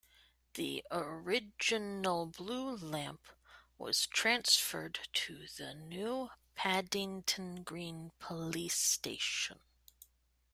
The original blue lamp was transferred to the new Paddington Green Police Station.